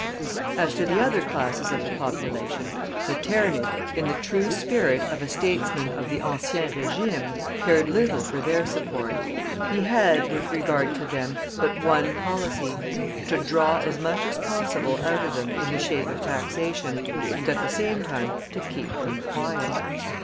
As to the other classes of the population, Metternich, in the true spirit of a statesman of the ancien régime, cared little for their support. He had, with regard to them, but one policy: to draw as much as possible out of them in the shape of taxation, and at the same time, to keep them quiet.